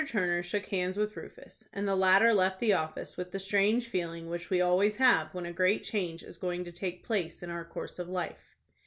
Turner shook hands with Rufus, and the latter left the office with the strange feeling which we always have when a great change is going to take place in our course of life.